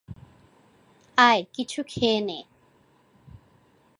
আয় কিছু খেয়ে নে।